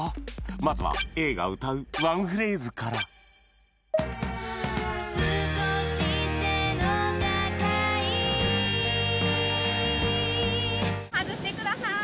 まずはＡが歌うワンフレーズから少し背の高い外してください